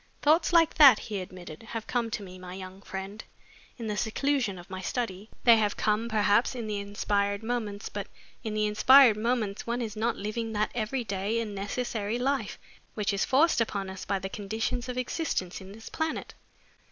"Thoughts like that," he admitted, "have come to me, my young friend, in the seclusion of my study. They have come, perhaps, in the inspired moments, but in the inspired moments one is not living that every day and necessary life which is forced upon us by the conditions of existence in this planet.